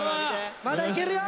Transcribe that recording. まだいけるよ！